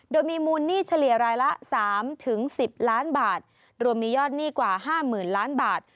โดยมีมูลหนี้เฉลี่ยรายละ๓๑๐ล้านบาทรวมมียอดหนี้กว่า๕๐๐๐ล้านบาท